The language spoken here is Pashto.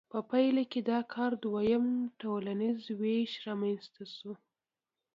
په پایله کې د کار دویم ټولنیز ویش رامنځته شو.